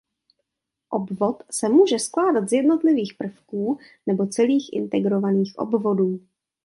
Obvod se může skládat z jednotlivých prvků nebo celých integrovaných obvodů.